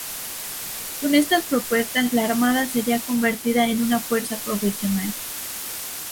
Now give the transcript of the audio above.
Con estas propuestas, la Armada sería convertida en una fuerza profesional.